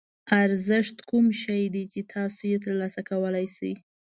ارزښت کوم شی دی چې تاسو یې ترلاسه کوئ.